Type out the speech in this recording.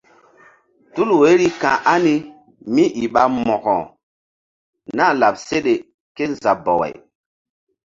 Tul woiri ka̧h ani kémíi ɓa Mo̧ko nah láɓ seɗe kézabaway.